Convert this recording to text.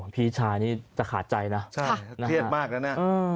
พี่ชายเนี่ยจะขาดใจนะเพื่อนมากเลยนะ